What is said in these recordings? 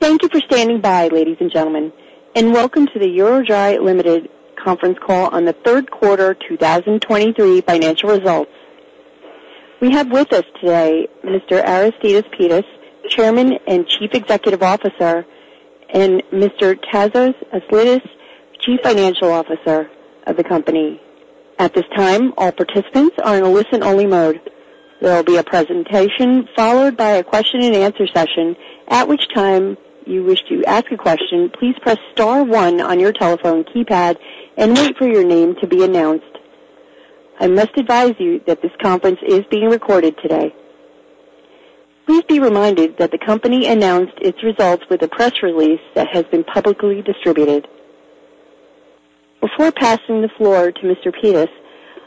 Thank you for standing by, ladies and gentlemen, and welcome to the EuroDry Ltd. Conference Call on the third quarter 2023 financial results. We have with us today Mr. Aristides Pittas, Chairman and Chief Executive Officer, and Mr. Tasos Aslidis, Chief Financial Officer of the company. At this time, all participants are in a listen-only mode. There will be a presentation followed by a question and answer session. At which time you wish to ask a question, please press star one on your telephone keypad and wait for your name to be announced. I must advise you that this conference is being recorded today. Please be reminded that the company announced its results with a press release that has been publicly distributed. Before passing the floor to Mr. Pittas,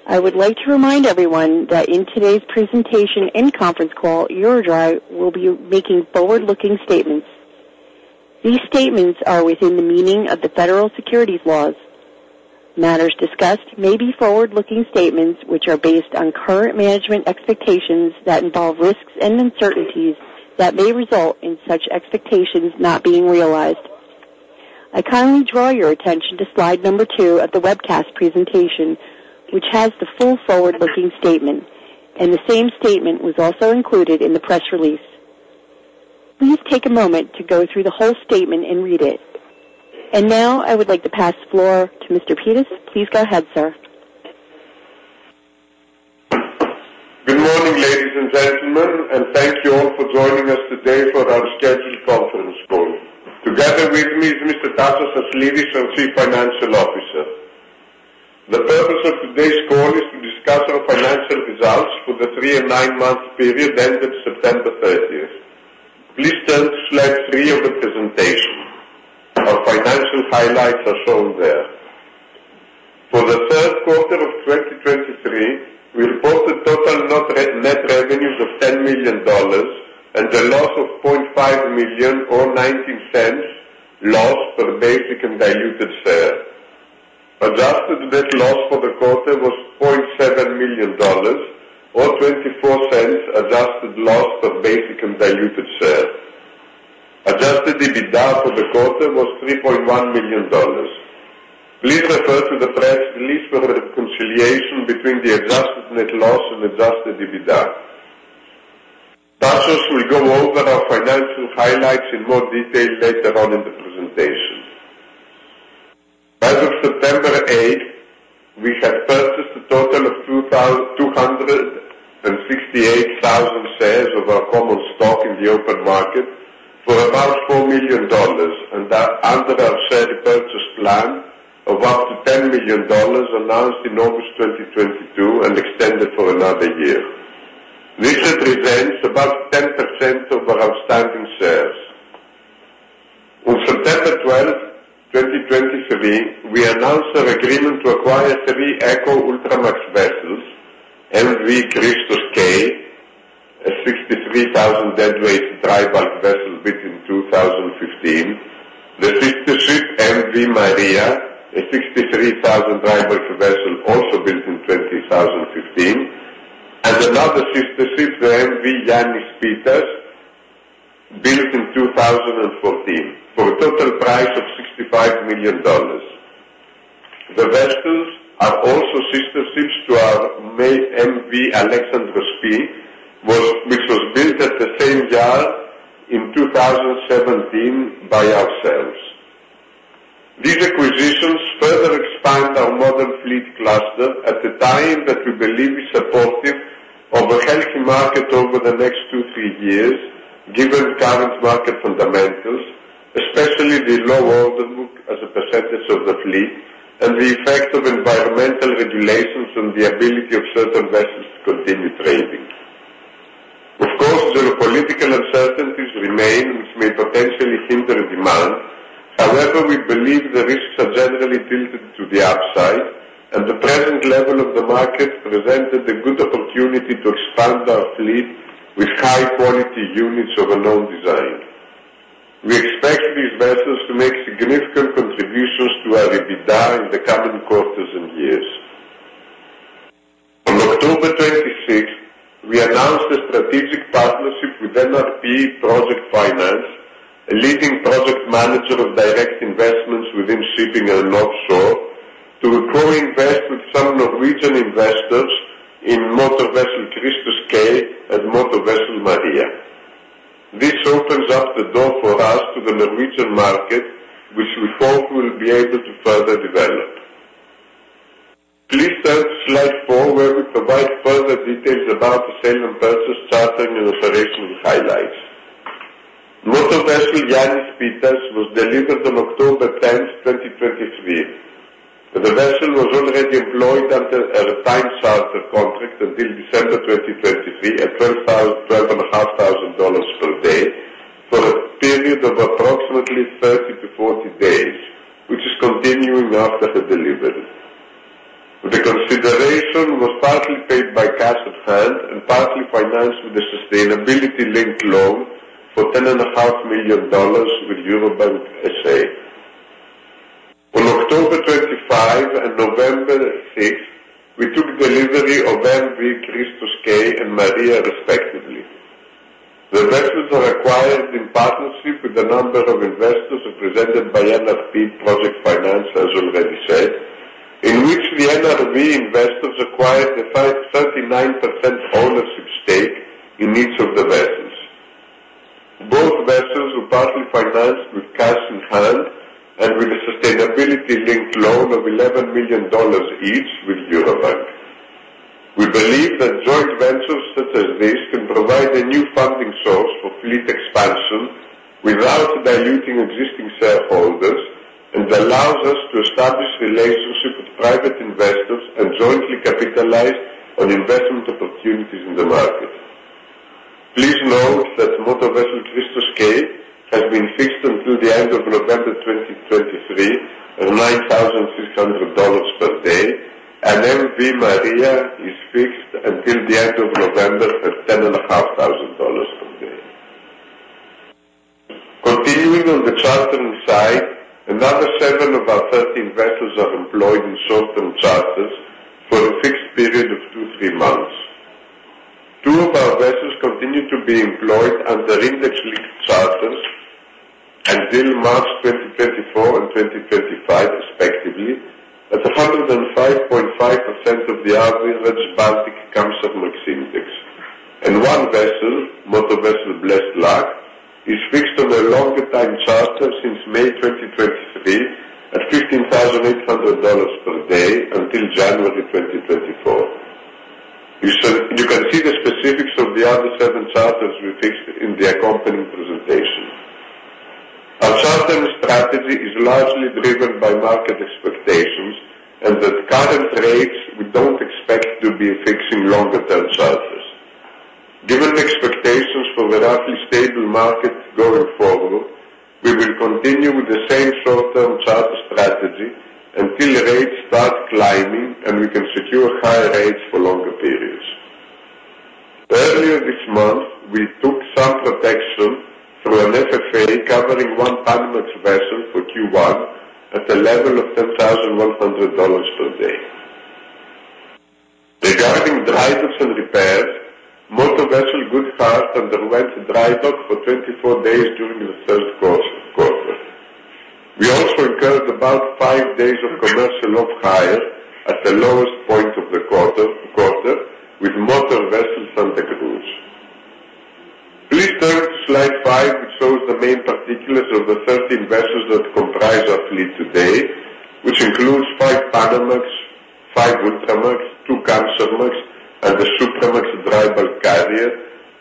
I would like to remind everyone that in today's presentation and conference call, EuroDry will be making forward-looking statements. These statements are within the meaning of the federal securities laws. Matters discussed may be forward-looking statements which are based on current management expectations that involve risks and uncertainties that may result in such expectations not being realized. I kindly draw your attention to slide number two of the webcast presentation, which has the full forward-looking statement, and the same statement was also included in the press release. Please take a moment to go through the whole statement and read it. Now I would like to pass the floor to Mr. Pittas. Please go ahead, sir. Good morning, ladies and gentlemen, and thank you all for joining us today for our scheduled conference call. Together with me is Mr. Tasos Aslidis, our Chief Financial Officer. The purpose of today's call is to discuss our financial results for the three- and nine-month period ended September 30th. Please turn to slide 3 of the presentation. Our financial highlights are shown there. For the third quarter of 2023, we reported total net revenues of $10 million and a loss of $0.5 million or $0.19 loss per basic and diluted share. Adjusted net loss for the quarter was $0.7 million or $0.24 adjusted loss per basic and diluted share. Adjusted EBITDA for the quarter was $3.1 million. Please refer to the press release for the reconciliation between the adjusted net loss and adjusted EBITDA. Tasos will go over our financial highlights in more detail later on in the presentation. As of September 8th, we had purchased a total of 2,268,000 shares of our common stock in the open market for about $4 million and are under our share repurchase plan of up to $10 million, announced in August 2022 and extended for another year. This represents about 10% of our outstanding shares. On September 12th, 2023, we announced our agreement to acquire three Eco Ultramax vessels, M/V Christos K, a 63,000 deadweight dry bulk vessel built in 2015, the sister ship, M/V Maria, a 63,000 dry bulk vessel also built in 2015, and another sister ship, the M/V Yannis P, built in 2014, for a total price of $65 million. The vessels are also sister ships to our main M/V Alexander P, which was built at the same yard in 2017 by ourselves. These acquisitions further expand our modern fleet cluster at a time that we believe is supportive of a healthy market over the next two-three years, given current market fundamentals, especially the low order book as a percentage of the fleet and the effect of environmental regulations on the ability of certain vessels to continue trading. Of course, geopolitical uncertainties remain, which may potentially hinder demand. However, we believe the risks are generally tilted to the upside, and the present level of the market presented a good opportunity to expand our fleet with high-quality units of a known design. We expect these vessels to make significant contributions to our EBITDA in the coming quarters and years. On October 26th, we announced a strategic partnership with NRP Project Finance, a leading project manager of direct investments within shipping and offshore, to co-invest with some Norwegian investors in motor vessel Christos K and motor vessel Maria. This opens up the door for us to the Norwegian market, which we hope we will be able to further develop. Please turn to slide 4, where we provide further details about the sale and purchase charter and operational highlights. Motor vessel Yannis P was delivered on October 10th, 2023. The vessel was already employed under a time charter contract until December 2023, at $12,500 per day for a period of approximately 30-40 days, which is continuing after the delivery. The consideration was partly paid by cash at hand and partly financed with a sustainability-linked loan for $10.5 million with Eurobank S.A. On October 5th and November 6th, we took delivery of M/V Christos K and M/V Maria respectively. The vessels are acquired in partnership with a number of investors represented by NRP Project Finance AS, as already said, in which the NRP investors acquired a 53.9% ownership stake in each of the vessels. Both vessels were partly financed with cash in hand and with a sustainability-linked loan of $11 million each with Eurobank S.A. We believe that joint ventures such as this can provide a new funding source for fleet expansion without diluting existing shareholders and allows us to establish relationship with private investors and jointly capitalize on investment opportunities in the market. Please note that motor vessel Christos K. has been fixed until the end of November 2023 at $9,600 per day, and M/V Maria is fixed until the end of November at $10,500 per day. Continuing on the chartering side, another seven of our 13 vessels are employed in short-term charters for a fixed period of two-three months. Two of our vessels continue to be employed under index-linked charters until March 2024 and 2025 respectively, at 105.5% of the average Baltic Kamsarmax Index. And one vessel, M/V Blessed Luck, is fixed on a longer time charter since May 2023 at $15,800 per day until January 2024. You can see the specifics of the other seven charters we fixed in the accompanying presentation. Our chartering strategy is largely driven by market expectations, and at current rates, we don't expect to be fixing longer term charters. Given the expectations for a roughly stable market going forward, we will continue with the same short-term charter strategy until rates start climbing, and we can secure higher rates for longer periods. Earlier this month, we took some protection through an FFA covering one Panamax vessel for Q1 at a level of $10,100 per day. Regarding dry docks and repairs, motor vessel Good Heart underwent a dry dock for 24 days during the third quarter. We also incurred about five days of commercial off-hire at the lowest point of the quarter with motor vessel Santa Cruz. Please turn to slide 5, which shows the main particulars of the 13 vessels that comprise our fleet today, which includes 5 Panamax, 5 Ultramax, 2 Kamsarmax, and a Supramax dry bulk carrier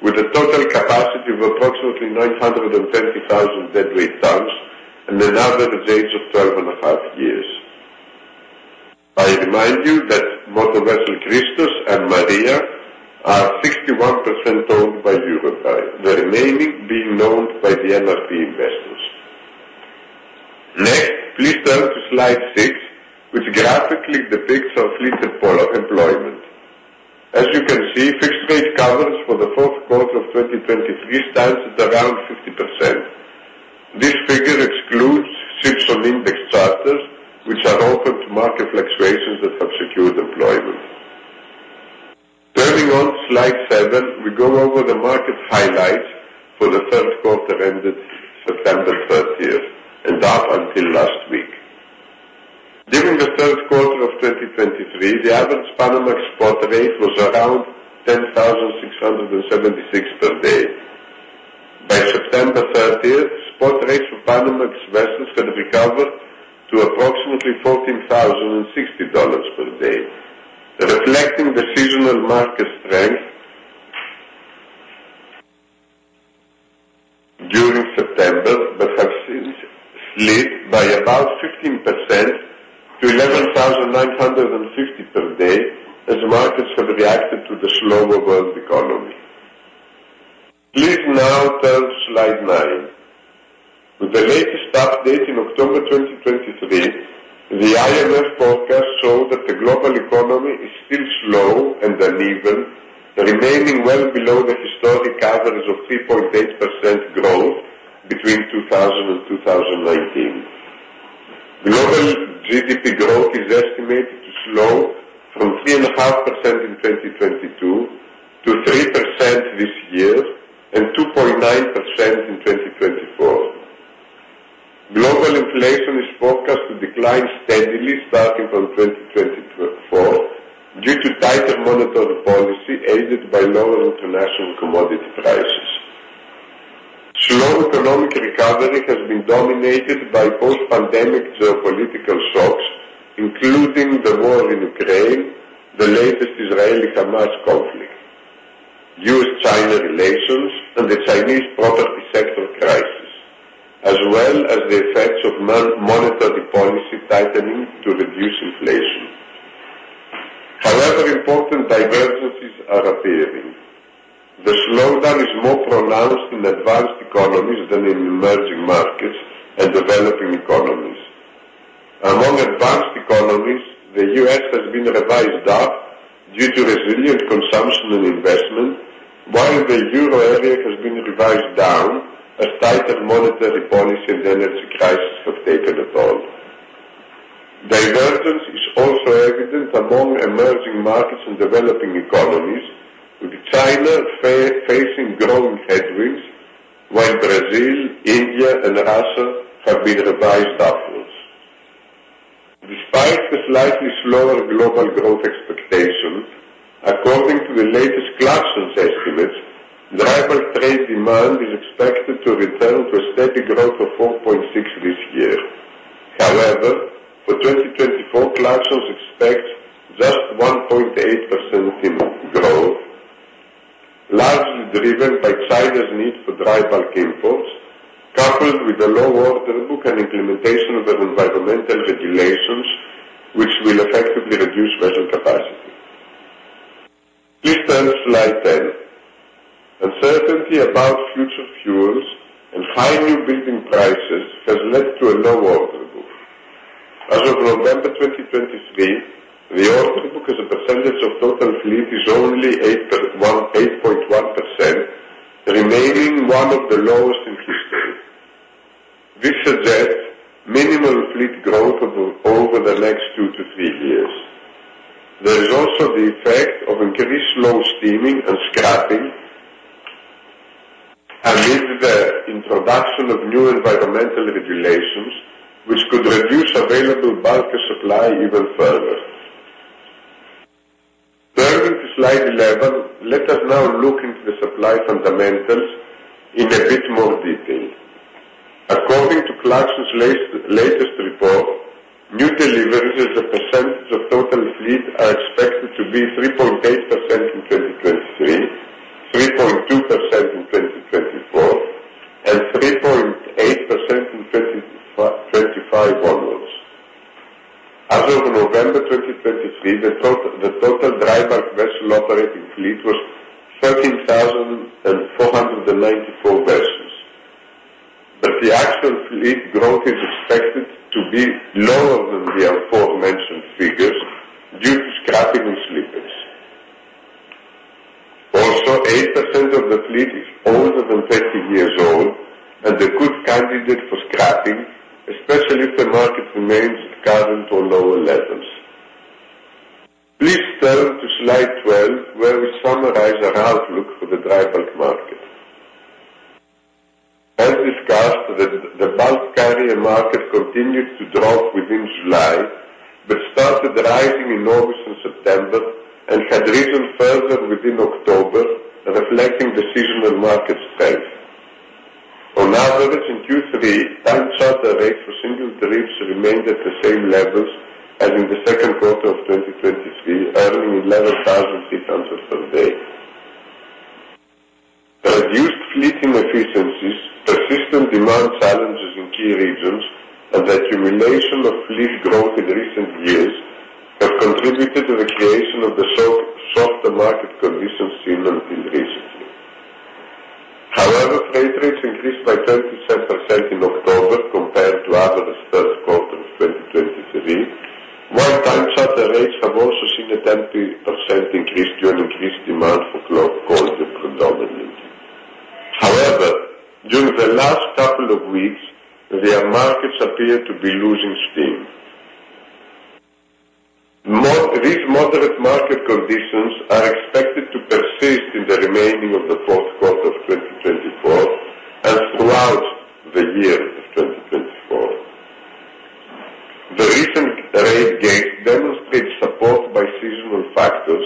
with a total capacity of approximately 930,000 deadweight tons and an average age of 12.5 years. I remind you that motor vessel Christos and Maria are 61% owned by Eurobank, the remaining being owned by the NRP investors. Next, please turn to slide 6, which graphically depicts our fleet employment profile. As you can see, fixed rate covers for the fourth quarter of 2023 stands at around 50%. This figure excludes ships on index charters, which are open to market fluctuations that have secured employment. Turning on slide 7, we go over the market highlights for the third quarter ended September thirtieth, and up until last week. During the third quarter of 2023, the average Panamax spot rate was around $10,676 per day. By September thirtieth, spot rates for Panamax vessels had recovered to approximately $14,060 per day, reflecting the seasonal market strength during September, but have since slid by about 15% to $11,950 per day as markets have reacted to the slower world economy. Please now turn to slide 9. With the latest update in October 2023, the IMF forecast showed that the global economy is still slow and uneven, remaining well below the historic average of 3.8% growth between 2000 and 2019. Global GDP growth is estimated to slow from 3.5% in 2022 to 3% this year and 2.9% in 2024. Global inflation is forecast to decline steadily starting from 2024, due to tighter monetary policy, aided by lower international commodity prices. Slow economic recovery has been dominated by post-pandemic geopolitical shocks, including the war in Ukraine, the latest Israeli-Hamas conflict, U.S.-China relations, and the Chinese property sector crisis, as well as the effects of monetary policy tightening to reduce inflation. However, important divergences are appearing. The slowdown is more pronounced in advanced economies than in emerging markets and developing economies. Among advanced economies, the U.S. has been revised up due to resilient consumption and investment, while the Euro area has been revised down as tighter monetary policy and energy crisis have taken a toll. Divergence is also evident among emerging markets and developing economies, with China facing growing headwinds, while Brazil, India and Russia have been revised upwards. Despite the slightly slower global growth expectations, according to the latest Clarksons estimates, dry bulk trade demand is expected to return to a steady growth of 4.6 this year. However, for 2024, Clarksons expects just 1.8% in growth, largely driven by China's need for dry bulk imports, coupled with the low order book and implementation of the environmental regulations, which will effectively reduce vessel capacity. Please turn to slide 10. Uncertainty about future fuels and high new building prices has led to a low order book. As of November 2023, the order book as a percentage of total fleet is only 8.1, 8.1%, remaining one of the lowest in history. This suggests minimal fleet growth over the next two to three years. There is also the effect of increased slow steaming and scrapping, amid the introduction of new environmental regulations, which could reduce available bulker supply even further. Turning to slide 11, let us now look into the supply fundamentals in a bit more detail. According to Clarksons' latest report, new deliveries as a percentage of total fleet are expected to be 3.8% in 2023, 3.2% in 2024, and 3.8% in 2025 onwards. As of November 2023, the total dry bulk vessel operating fleet was 13,494 vessels, but the actual fleet growth is expected to be lower than the aforementioned figures due to scrapping and slippage. Also, 8% of the fleet is older than 30 years old and a good candidate for scrapping, especially if the market remains at current or lower levels. Please turn to slide 12, where we summarize our outlook for the dry bulk market. As discussed, the bulk carrier market continued to drop within July, but started rising in August and September and had risen further within October, reflecting the seasonal market strength. On average, in Q3, time charter rates for single trips remained at the same levels as in the second quarter of 2023, earning $11,000 per day. Reduced fleet inefficiencies, persistent demand challenges in key regions and the accumulation of fleet growth in recent years have contributed to the creation of the softer market conditions seen until recently. However, freight rates increased by 37% in October compared to average first quarter of 2023, while time charter rates have also seen a 10% increase due to increased demand for coal predominantly. However, during the last couple of weeks, their markets appear to be losing steam. These moderate market conditions are expected to persist in the remaining of the fourth quarter of 2024 and throughout the year of 2024. The recent rate gain demonstrates support by seasonal factors,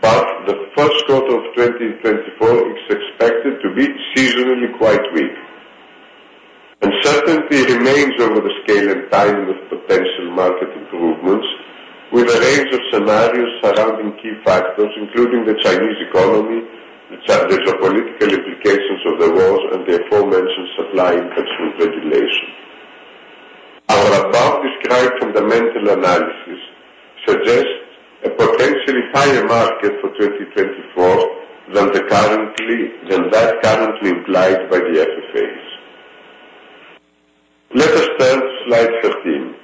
but the first quarter of 2024 is expected to be seasonally quite weak. Uncertainty remains over the scale and timing of potential market improvements, with a range of scenarios surrounding key factors, including the Chinese economy, the geopolitical implications of the wars and the aforementioned supply infrastructure regulation. Our above described fundamental analysis suggests a potentially higher market for 2024 than that currently implied by the FFAs. Let us turn to slide 15.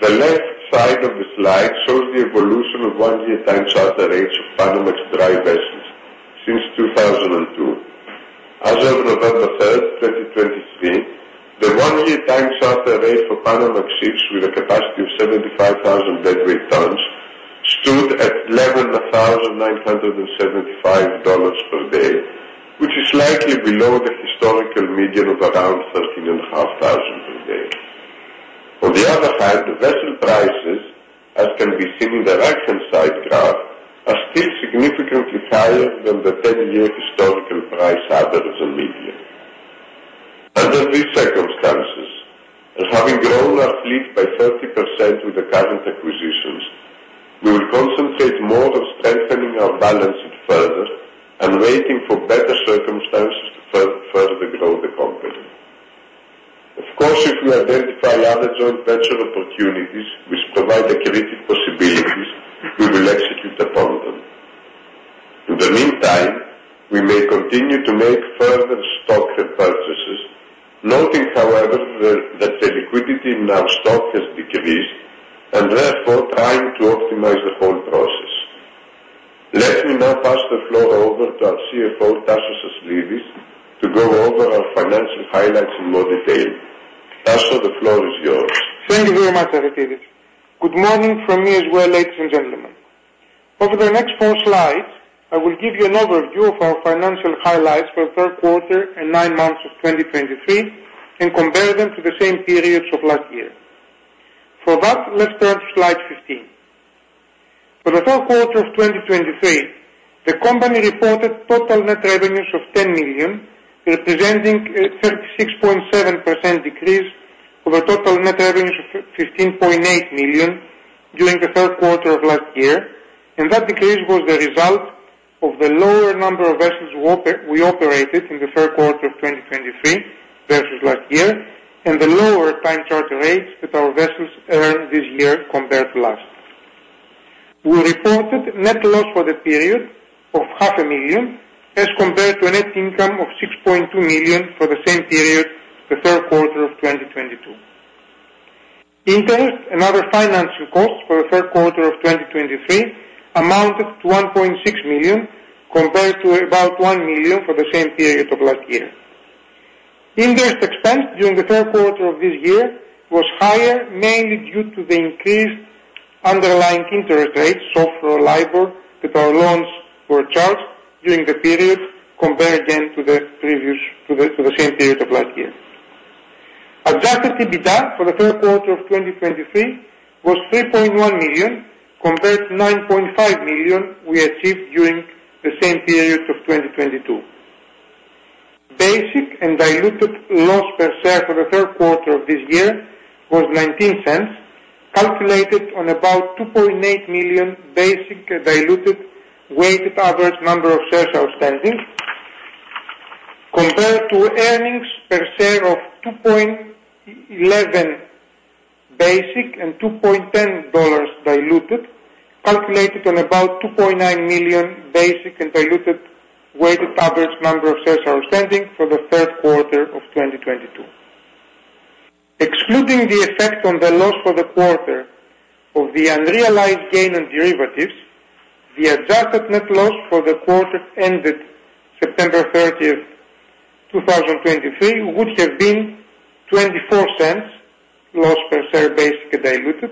The left side of the slide shows the evolution of one-year time charter rates of Panamax dry vessels since 2002. As of November 1, 2023, the one-year time charter rate for Panamax ships with a capacity of 75,000 deadweight tons stood at $11,975 per day, which is slightly below the historical median of around $13,500 per day. On the other hand, the vessel prices, as can be seen in the right-hand side graph, are still significantly higher than the 10-year historical price average and median. Under these circumstances, having grown our fleet by 30% with the current acquisitions, we will concentrate more on strengthening our balance sheet further and waiting for better circumstances to further grow the company. Of course, if we identify other joint venture opportunities which provide accretive possibilities, we will execute upon them.... In the meantime, we may continue to make further stock repurchases, noting, however, that the liquidity in our stock has decreased and therefore trying to optimize the whole process. Let me now pass the floor over to our CFO, Tasos Aslidis, to go over our financial highlights in more detail. Tasos, the floor is yours. Thank you very much, Aris. Good morning from me as well, ladies and gentlemen. Over the next 4 slides, I will give you an overview of our financial highlights for the third quarter and nine months of 2023 and compare them to the same periods of last year. For that, let's start slide 15. For the third quarter of 2023, the company reported total net revenues of $10 million, representing a 36.7% decrease over total net revenues of $15.8 million during the third quarter of last year and that decrease was the result of the lower number of vessels we operated in the third quarter of 2023 versus last year, and the lower time charter rates that our vessels earned this year compared to last. We reported net loss for the period of $500,000, as compared to a net income of $6.2 million for the same period, the third quarter of 2022. Interest and other financial costs for the third quarter of 2023 amounted to $1.6 million, compared to about $1 million for the same period of last year. Interest expense during the third quarter of this year was higher, mainly due to the increased underlying interest rates, SOFR, that our loans were charged during the period, compared again to the previous, to the same period of last year. Adjusted EBITDA for the third quarter of 2023 was $3.1 million, compared to $9.5 million we achieved during the same period of 2022. Basic and diluted loss per share for the third quarter of this year was $0.19, calculated on about 2.8 million basic and diluted weighted average number of shares outstanding. Compared to earnings per share of $2.11 basic and $2.10 diluted, calculated on about 2.9 million basic and diluted weighted average number of shares outstanding for the third quarter of 2022. Excluding the effect on the loss for the quarter of the unrealized gain and derivatives, the adjusted net loss for the quarter ended September 30th, 2023, would have been $0.24 loss per share, basic and diluted,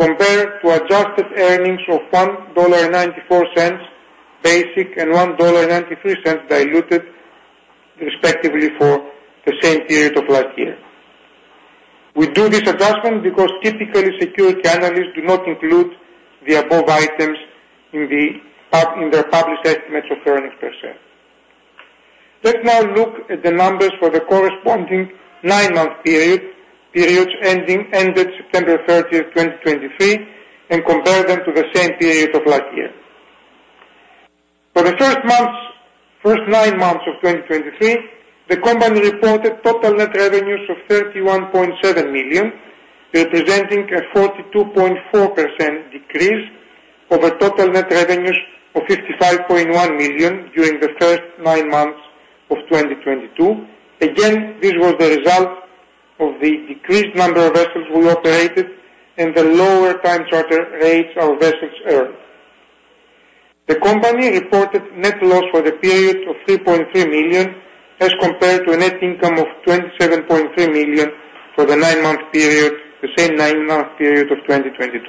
compared to adjusted earnings of $1.94 basic and $1.93 diluted, respectively, for the same period of last year. We do this adjustment because typically, security analysts do not include the above items in the published estimates of earnings per share. Let's now look at the numbers for the corresponding nine-month period ended September 30, 2023, and compare them to the same period of last year. For the first nine months of 2023, the company reported total net revenues of $31.7 million, representing a 42.4% decrease over total net revenues of $55.1 million during the first nine months of 2022. Again, this was the result of the decreased number of vessels we operated and the lower time charter rates our vessels earned. The company reported net loss for the period of $3.3 million, as compared to a net income of $27.3 million for the nine-month period, the same nine-month period of 2022.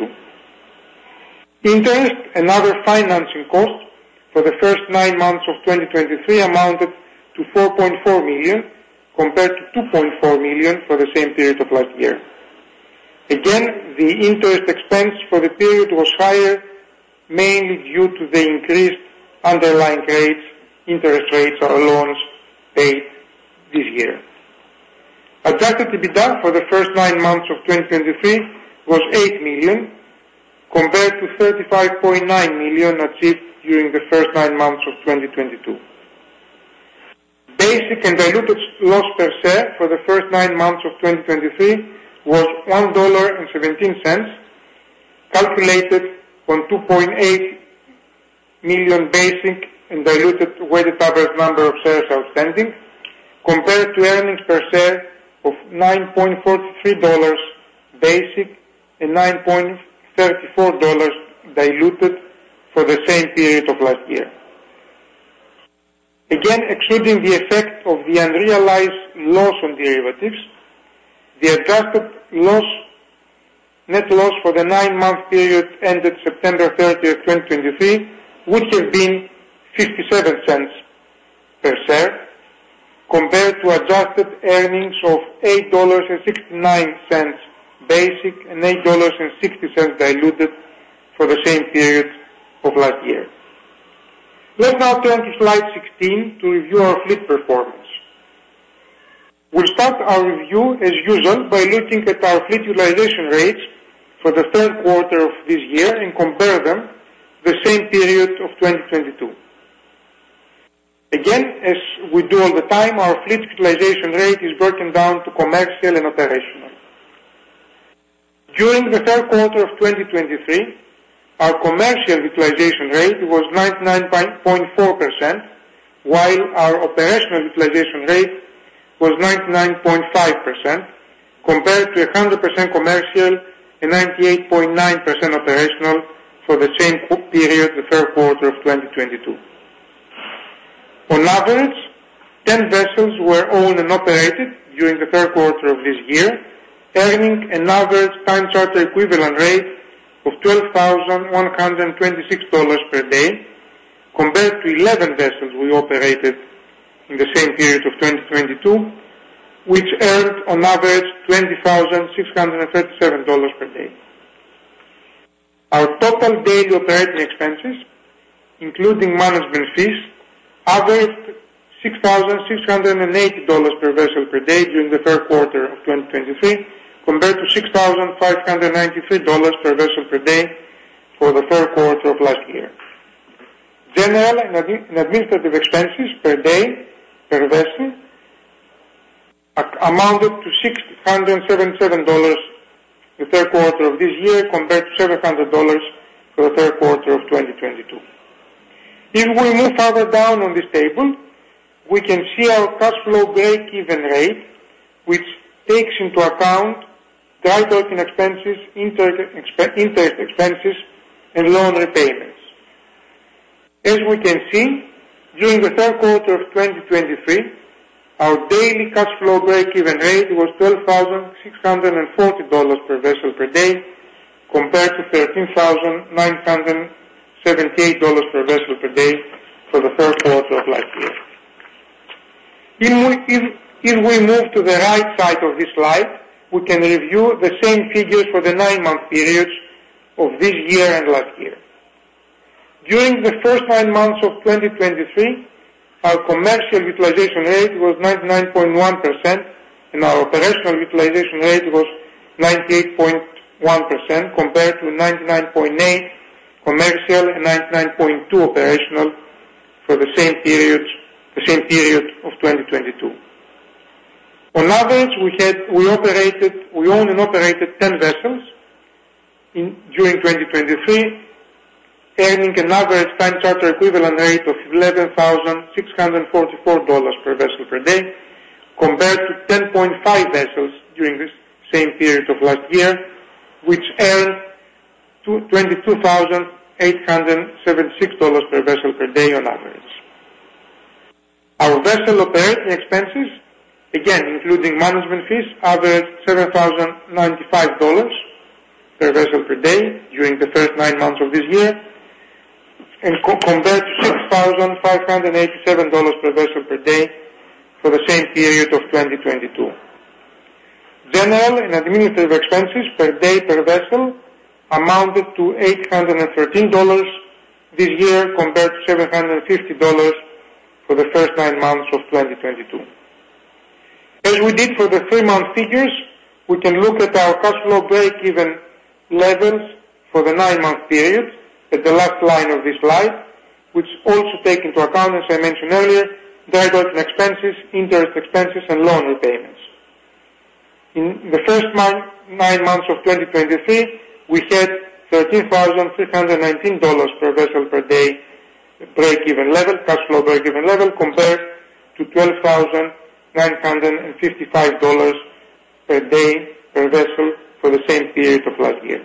Interest and other financing costs for the first nine months of 2023 amounted to $4.4 million, compared to $2.4 million for the same period of last year. Again, the interest expense for the period was higher, mainly due to the increased underlying rates, interest rates on our loans paid this year. Adjusted EBITDA for the first nine months of 2023 was $8 million, compared to $35.9 million achieved during the first nine months of 2022. Basic and diluted loss per share for the first nine months of 2023 was $1.17, calculated on 2.8 million basic and diluted weighted average number of shares outstanding, compared to earnings per share of $9.43 basic and $9.34 diluted for the same period of last year. Again, excluding the effect of the unrealized loss on derivatives, the adjusted loss, net loss for the nine-month period ended September 30, 2023, would have been $0.57 per share, compared to adjusted earnings of $8.69 basic and $8.60 diluted for the same period of last year. Let's now turn to slide 16 to review our fleet performance. We'll start our review as usual, by looking at our fleet utilization rates for the third quarter of this year and compare them the same period of 2022. Again, as we do all the time, our fleet utilization rate is broken down to commercial and operational. During the third quarter of 2023, our commercial utilization rate was 99.4%, while our operational utilization rate was 99.5% compared to 100% commercial and 98.9% operational for the same period, the third quarter of 2022. On average, 10 vessels were owned and operated during the third quarter of this year, earning another time charter equivalent rate of $12,126 per day, compared to 11 vessels we operated in the same period of 2022, which earned on average $20,637 per day. Our total daily operating expenses, including management fees, averaged $6,680 per vessel per day during the third quarter of 2023, compared to $6,593 per vessel per day for the third quarter of last year. General and administrative expenses per day per vessel amounted to $677 the third quarter of this year, compared to $700 for the third quarter of 2022. If we move further down on this table, we can see our cash flow breakeven rate, which takes into account dry docking expenses, interest expenses and loan repayments. As we can see, during the third quarter of 2023, our daily cash flow breakeven rate was $12,640 per vessel per day, compared to $13,978 per vessel per day for the third quarter of last year. If we move to the right side of this slide, we can review the same figures for the nine-month periods of this year and last year. During the first 9 months of 2023, our commercial utilization rate was 99.1% and our operational utilization rate was 98.1%, compared to 99.8% commercial and 99.2% operational for the same period of 2022. On average, we owned and operated 10 vessels during 2023, earning an average time charter equivalent rate of $11,644 per vessel per day, compared to 10.5 vessels during this same period of last year, which earned $22,876 per vessel per day on average. Our vessel operating expenses, again including management fees, averaged $7,095 per vessel per day during the first nine months of this year, and compared to $6,587 per vessel per day for the same period of 2022. General and administrative expenses per day per vessel amounted to $813 this year, compared to $750 for the first nine months of 2022. As we did for the three-month figures, we can look at our cash flow breakeven levels for the nine-month period at the last line of this slide, which also take into account, as I mentioned earlier, dry docking expenses, interest expenses and loan repayments. In the first nine months of 2023, we had $13,319 per vessel per day breakeven level, cash flow breakeven level, compared to $12,955 per day per vessel for the same period of last year.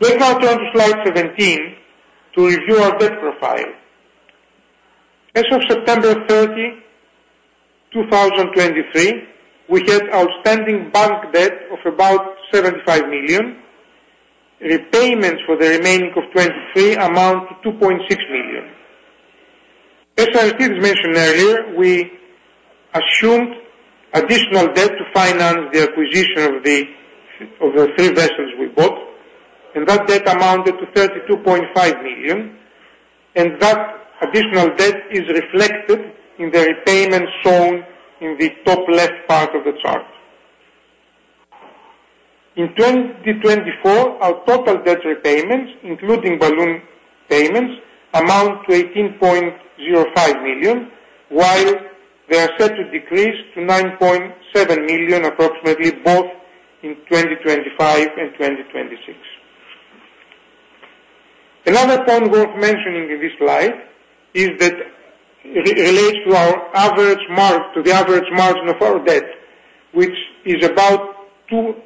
Let's now turn to slide 17 to review our debt profile. As of September 30, 2023, we had outstanding bank debt of about $75 million. Repayments for the remaining of 2023 amount to $2.6 million. As I mentioned earlier, we assumed additional debt to finance the acquisition of the three vessels we bought, and that debt amounted to $32.5 million, and that additional debt is reflected in the repayments shown in the top left part of the chart. In 2024, our total debt repayments, including balloon payments, amount to $18.05 million, while they are set to decrease to $9.7 million, approximately both in 2025 and 2026. Another point worth mentioning in this slide is that relates to our average mark, to the average margin of our debt, which is about 2.64%.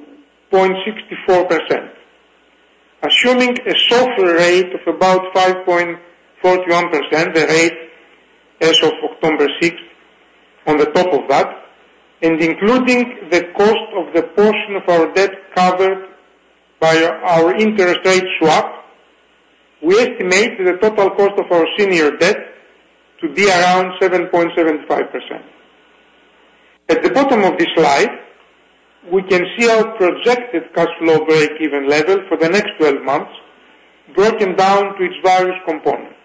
Assuming a SOFR rate of about 5.41%, the rate as of October sixth, on top of that, and including the cost of the portion of our debt covered by our interest rate swap, we estimate the total cost of our senior debt to be around 7.75%. At the bottom of this slide, we can see our projected cash flow breakeven level for the next twelve months, broken down to its various components.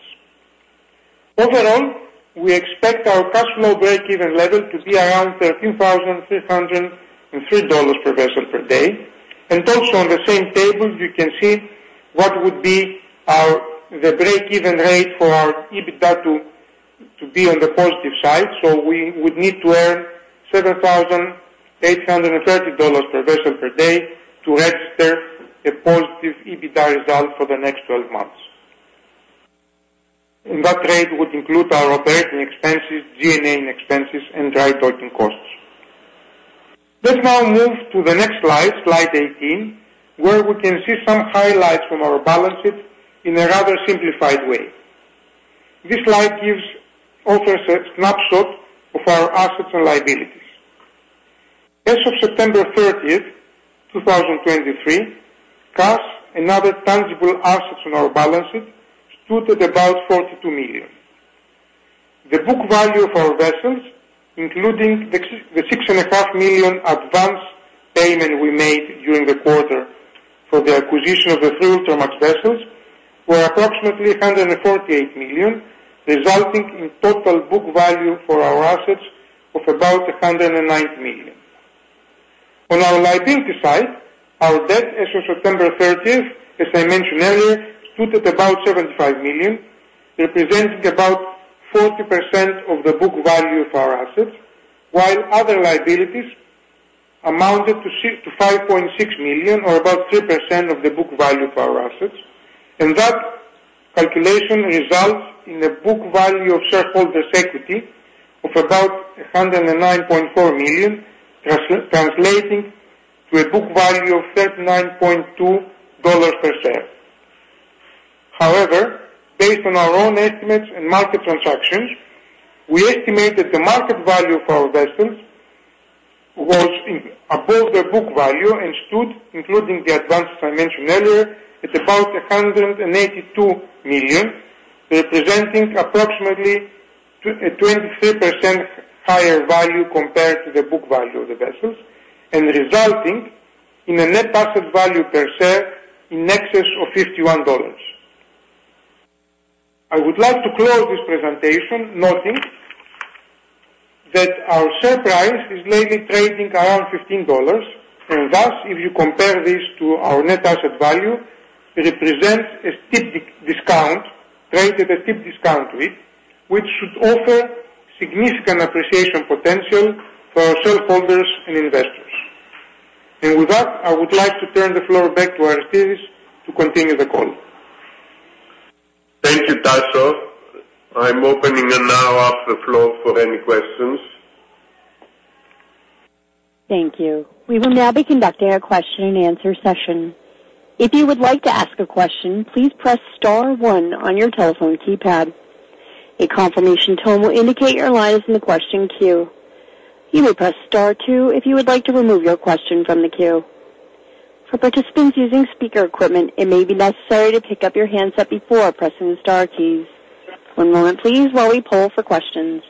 Overall, we expect our cash flow breakeven level to be around $13,303 per vessel per day. Also on the same table, you can see what would be our, the breakeven rate for our EBITDA to be on the positive side, so we would need to earn $7,830 per vessel per day to register a positive EBITDA result for the next 12 months. That rate would include our operating expenses, G&A expenses and dry docking costs. Let's now move to the next slide, slide 18, where we can see some highlights from our balance sheet in a rather simplified way. This slide gives us a snapshot of our assets and liabilities. As of September 30th, 2023, cash and other tangible assets on our balance sheet stood at about $42 million. The book value of our vessels, including the $6.5 million advance payment we made during the quarter for the acquisition of the 3 Ultramax vessels, were approximately $148 million, resulting in total book value for our assets of about $109 million. On our liability side, our debt as of September 30, as I mentioned earlier, stood at about $75 million, representing about 40% of the book value of our assets, while other liabilities amounted to $6.5 million, or about 3% of the book value of our assets. That calculation results in a book value of shareholders' equity of about $109.4 million, translating to a book value of $39.2 per share. However, based on our own estimates and market transactions, we estimate that the market value for our vessels was above the book value and stood, including the advances I mentioned earlier, at about $182 million, representing approximately 23% higher value compared to the book value of the vessels, and resulting in a net asset value per share in excess of $51. I would like to close this presentation, noting that our share price is lately trading around $15, and thus, if you compare this to our net asset value, represents a steep discount, traded at steep discount to it, which should offer significant appreciation potential for our shareholders and investors. With that, I would like to turn the floor back to Aristides to continue the call. Thank you, Tasos. I'm opening now up the floor for any questions. Thank you. We will now be conducting a question and answer session. If you would like to ask a question, please press star one on your telephone keypad. A confirmation tone will indicate your line is in the question queue. You may press Star two if you would like to remove your question from the queue. For participants using speaker equipment, it may be necessary to pick up your handset before pressing the star keys. One moment please, while we poll for questions.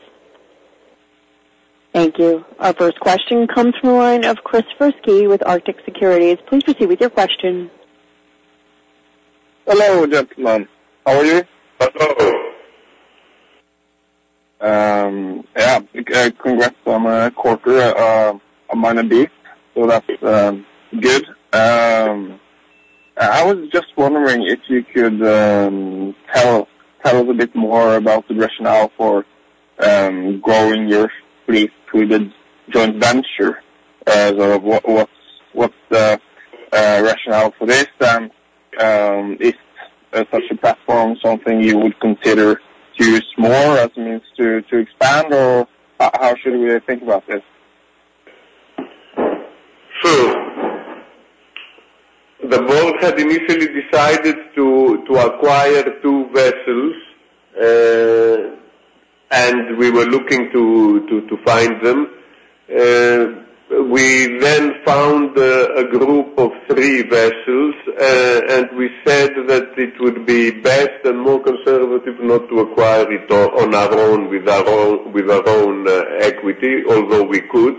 Thank you. Our first question comes from the line of Kristoffer Skeie with Arctic Securities. Please proceed with your question. Hello, gentlemen. How are you? Hello. Yeah, congrats on the quarter and on high EBITDA, so that's good. I was just wondering if you could tell us a bit more about the rationale for growing your fleet through the joint venture, as opposed to what, what's the rationale for this? And if such a platform something you would consider to use more as a means to expand, or how should we think about this? So the board had initially decided to acquire two vessels, and we were looking to find them. We then found a group of three vessels, and we said that it would be best and more conservative not to acquire it on our own, with our own equity, although we could,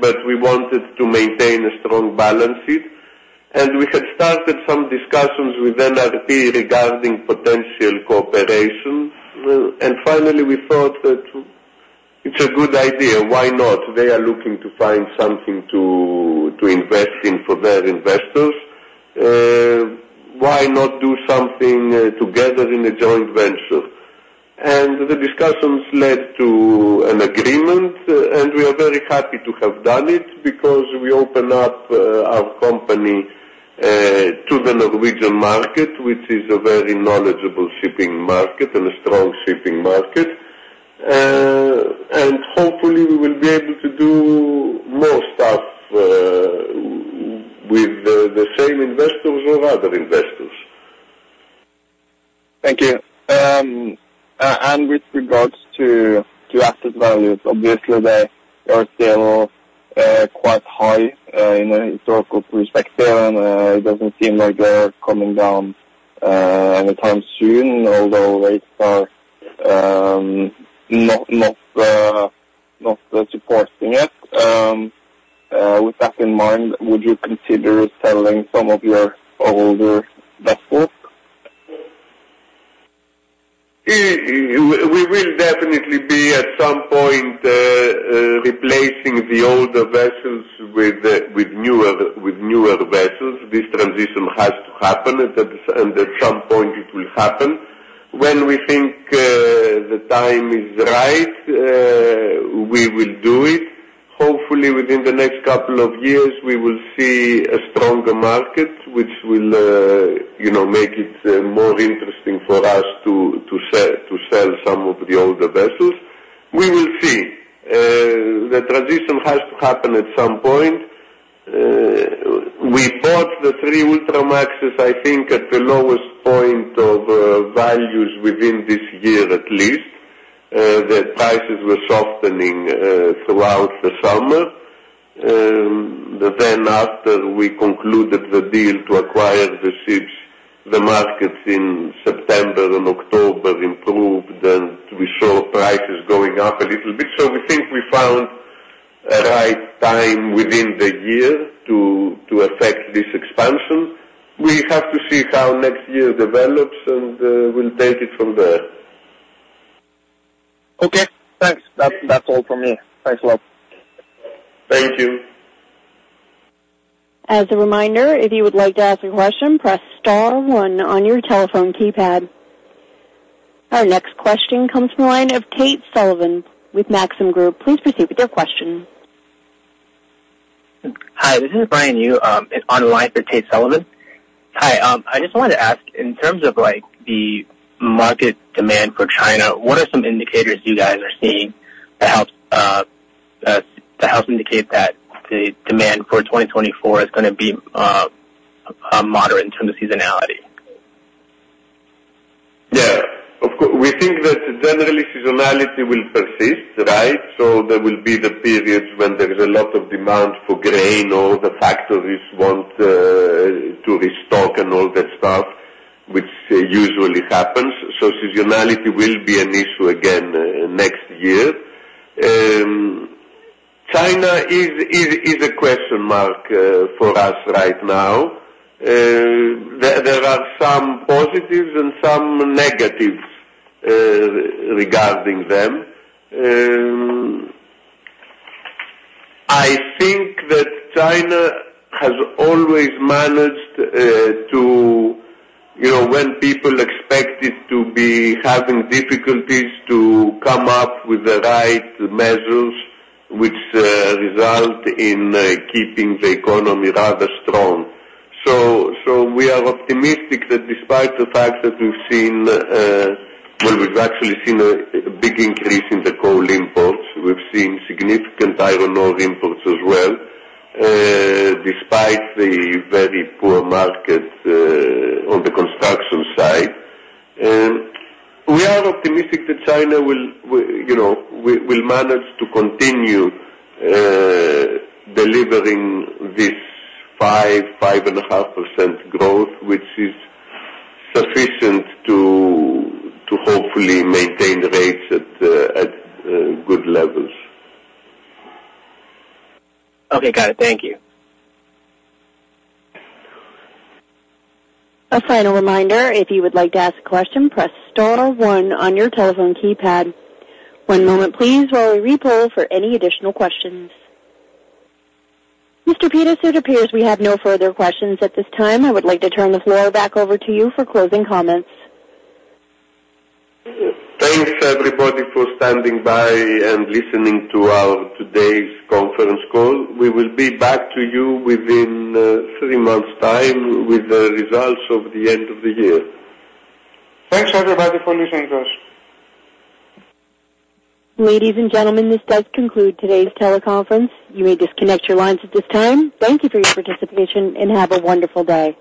but we wanted to maintain a strong balance sheet. And we had started some discussions with NRP regarding potential cooperation, and finally, we thought that it's a good idea. Why not? They are looking to find something to invest in for their investors. Why not do something together in a joint venture? The discussions led to an agreement, and we are very happy to have done it because we open up our company to the Norwegian market, which is a very knowledgeable shipping market and a strong shipping market. And hopefully we will be able to do more stuff with the same investors or other investors. Thank you. And with regards to asset values, obviously they are still quite high in a historical perspective, and it doesn't seem like they're coming down anytime soon, although rates are not supporting it. With that in mind, would you consider selling some of your older vessels? We will definitely be, at some point, replacing the older vessels with the, with newer, with newer vessels. This transition has to happen, and at some point it will happen. When we think, the time is right, we will do it. Hopefully within the next couple of years, we will see a stronger market, which will, you know, make it, more interesting for us to, to sell, to sell some of the older vessels. We will see. The transition has to happen at some point. We bought the three Ultramaxes, I think, at the lowest point of, values within this year, at least. The prices were softening throughout the summer. But then after we concluded the deal to acquire the ships, the markets in September and October improved, and we saw prices going up a little bit. So we think we found a right time within the year to affect this expansion. We have to see how next year develops, and we'll take it from there. Okay, thanks. That's all from me. Thanks a lot. Thank you. As a reminder, if you would like to ask a question, press star one on your telephone keypad. Our next question comes from the line of Tate Sullivan with Maxim Group. Please proceed with your question. Hi, this is Brian Yu on the line for Tate Sullivan. Hi, I just wanted to ask, in terms of, like, the market demand for China, what are some indicators you guys are seeing to help indicate that the demand for 2024 is gonna be moderate in terms of seasonality? Yeah, we think that generally seasonality will persist, right? So there will be the periods when there is a lot of demand for grain, or the factories want to restock and all that stuff, which usually happens. So seasonality will be an issue again next year. China is a question mark for us right now. There are some positives and some negatives regarding them. I think that China has always managed to, you know, when people expect it to be having difficulties, to come up with the right measures, which result in keeping the economy rather strong. We are optimistic that despite the fact that we've seen, well, we've actually seen a big increase in the coal imports, we've seen significant iron ore imports as well, despite the very poor market on the construction side. We are optimistic that China will, you know, will manage to continue delivering this 5%-5.5% growth, which is sufficient to hopefully maintain rates at good levels. Okay, got it. Thank you. A final reminder, if you would like to ask a question, press star one on your telephone keypad. One moment, please, while we re-poll for any additional questions. Mr. Pittas, it appears we have no further questions at this time. I would like to turn the floor back over to you for closing comments. Thanks, everybody, for standing by and listening to our today's conference call. We will be back to you within three months' time with the results of the end of the year. Thanks, everybody, for listening to us. Ladies and gentlemen, this does conclude today's teleconference. You may disconnect your lines at this time. Thank you for your participation, and have a wonderful day.